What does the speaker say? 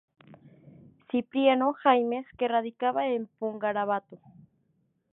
Cipriano Jaimes que radicaba en Pungarabato.